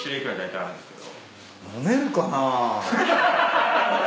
飲めるかな。